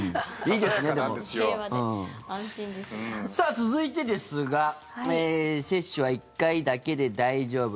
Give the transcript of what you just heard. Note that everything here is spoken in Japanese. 続いてですが接種は１回だけで大丈夫？